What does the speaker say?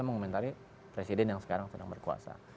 mengomentari presiden yang sekarang sedang berkuasa